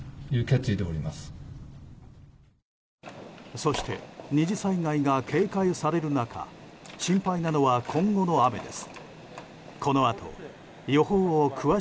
そして２次災害が警戒される中心配なのは今後の雨です。